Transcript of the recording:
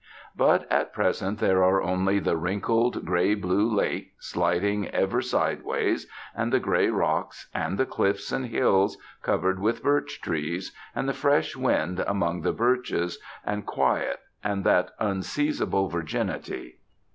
But at present there are only the wrinkled, grey blue lake, sliding ever sideways, and the grey rocks, and the cliffs and hills, covered with birch trees, and the fresh wind among the birches, and quiet, and that unseizable virginity.